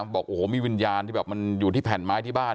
บอกมีวิญญาณอยู่ที่แผ่นไม้ที่บ้าน